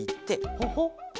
ほほっ。